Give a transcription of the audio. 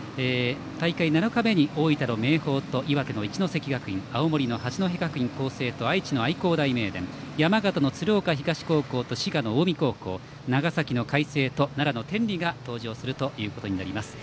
大会７日目に大分の明豊と岩手の一関学院青森の八戸学院光星と愛知の愛工大名電山形の鶴岡東高校と滋賀の近江高校長崎の海星と奈良の天理が登場するということになります。